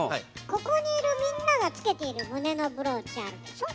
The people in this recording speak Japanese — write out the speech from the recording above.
ここにいるみんなが着けている胸のブローチあるでしょ？